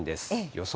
予想